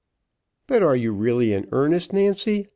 "But are you really in earnest, Nancy?"